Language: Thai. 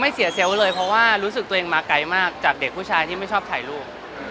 เสียเซลล์เลยเพราะว่ารู้สึกตัวเองมาไกลมากจากเด็กผู้ชายที่ไม่ชอบถ่ายรูป